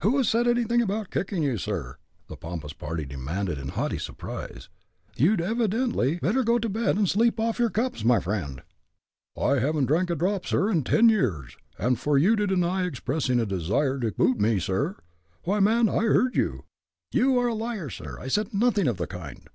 "Who has said anything about kicking you, sir?" the pompous party demanded, in haughty surprise. "You'd evidently better go to bed and sleep off your 'cups,' my friend." "I haven't drank a drop, sir, in ten years. And for you to deny expressing a desire to boot me, sir why, man, I heard you!" "You are a liar, sir; I said nothing of the kind.